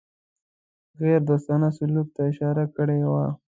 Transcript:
غیردوستانه سلوک ته اشاره کړې وه.